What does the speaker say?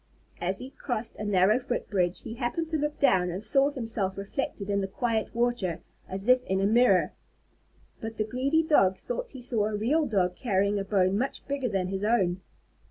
As he crossed a narrow footbridge, he happened to look down and saw himself reflected in the quiet water as if in a mirror. But the greedy Dog thought he saw a real Dog carrying a bone much bigger than his own.